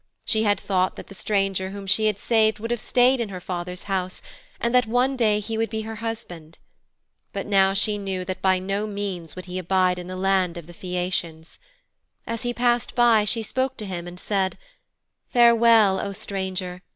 She had thought that the stranger whom she had saved would have stayed in her father's house, and that one day he would be her husband. But now she knew that by no means would he abide in the land of the Phæacians. As he passed by, she spoke to him and said, 'Farewell, O Stranger!